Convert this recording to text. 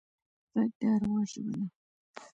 غږ د اروا ژبه ده